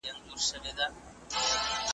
ورته پېښه ناروغي سوله د سترګو .